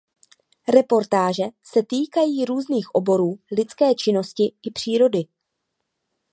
Reportáže se týkají různých oborů lidské činnosti i přírody.